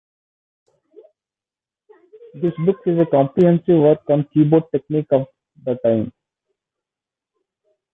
This book is a comprehensive work on keyboard technique of the time.